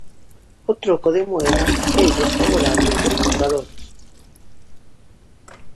O troco de moeda élles favorable aos compradores.